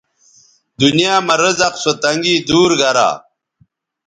دنیاں مہ رزق سو تنگی دور گرا